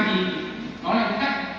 thì nó lại cắt